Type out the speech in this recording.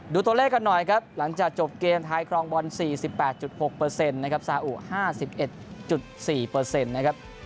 ดูตัวเลขกันหน่อยครับหลังจากจบเกมไทยครองบอล๔๘๖นะครับสาอุ๕๑๔นะครับ